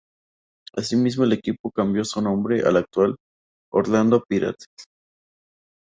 Asimismo, el equipo cambió su nombre al actual, "Orlando Pirates".